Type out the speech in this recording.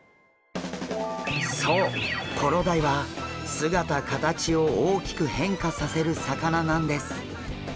そうコロダイは姿形を大きく変化させる魚なんです。